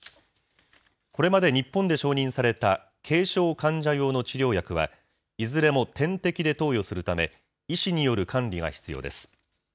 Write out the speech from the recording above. これまで日本で承認された軽症患者用の治療薬は、いずれも点滴で投与するため、医師による管理が必要です。